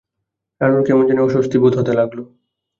রানুর কেমন জানি অস্বস্তি বোধ হতে লাগল।